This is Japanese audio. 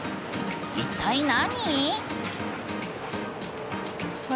一体何？